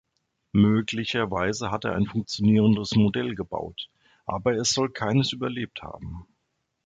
Möglicherweise hat er ein funktionierendes Modell gebaut, aber es soll keines überlebt haben.